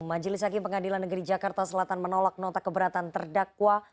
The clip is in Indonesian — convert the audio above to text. majelis hakim pengadilan negeri jakarta selatan menolak nota keberatan terdakwa